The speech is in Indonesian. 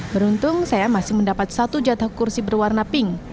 beruntung saya masih mendapat satu jatah kursi berwarna pink